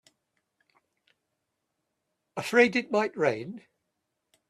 Afraid it might rain?